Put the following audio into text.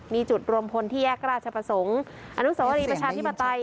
มีจุดรวมพลที่แยกราชประสงค์อนุสวรีประชาธิปไตย